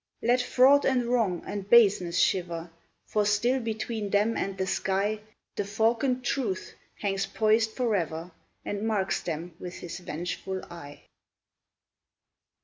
Let fraud and wrong and baseness shiver, For still between them and the sky The falcon Truth hangs poised forever And marks them with his vengeful eye.